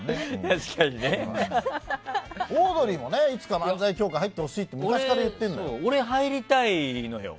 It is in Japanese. オードリーもいつか漫才協会入ってほしいって昔から言ってるのよ。